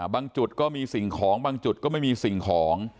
จุดก็มีสิ่งของบางจุดก็ไม่มีสิ่งของ